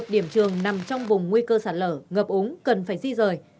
một mươi một điểm trường nằm trong vùng nguy cơ sạt lở ngập úng cần phải di rời